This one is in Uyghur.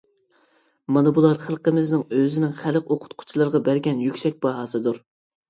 مانا بۇلار خەلقىمىزنىڭ ئۆزىنىڭ خەلق ئوقۇتقۇچىلىرىغا بەرگەن يۈكسەك باھاسىدۇر.